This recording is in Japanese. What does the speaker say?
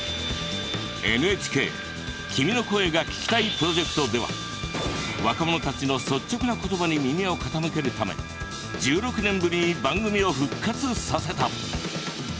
ＮＨＫ「君の声が聴きたい」プロジェクトでは若者たちの率直な言葉に耳を傾けるため１６年ぶりに番組を復活させた。